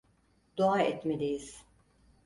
Dua etmeliyiz.